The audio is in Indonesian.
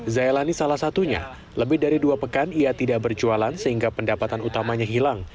zailani salah satunya lebih dari dua pekan ia tidak berjualan sehingga pendapatan utamanya hilang